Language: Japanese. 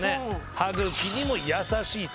歯茎にも優しいと。